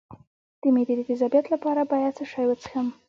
د معدې د تیزابیت لپاره باید څه شی وڅښم؟